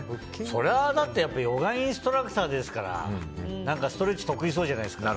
そりゃヨガインストラクターですからストレッチ得意そうじゃないですか。